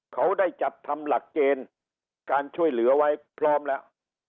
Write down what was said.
เขาได้จัดทำหลักเกณฑ์การช่วยเหลือไว้พร้อมแล้ว